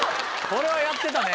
これはやってたね。